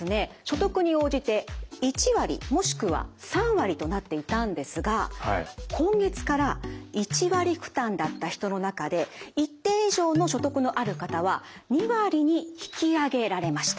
所得に応じて１割もしくは３割となっていたんですが今月から１割負担だった人の中で一定以上の所得のある方は２割に引き上げられました。